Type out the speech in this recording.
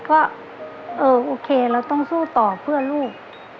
ก็เออโอเคเราต้องสู้ต่อเพื่อลูก